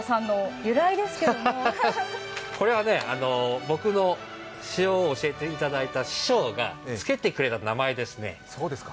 これは僕の塩を教えていただいた師匠がつけてくれた名前ですね。